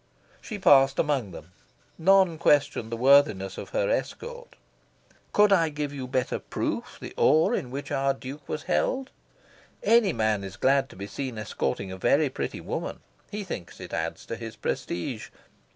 She passed among them. None questioned the worthiness of her escort. Could I give you better proof the awe in which our Duke was held? Any man is glad to be seen escorting a very pretty woman. He thinks it adds to his prestige.